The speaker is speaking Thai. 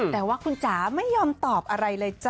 แต่ว่าคุณจ๋าไม่ยอมตอบอะไรเลยจ้ะ